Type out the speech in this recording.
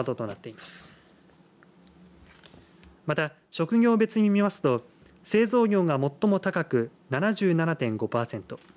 また、職業別に見ますと製造業が最も高く７７．５パーセント。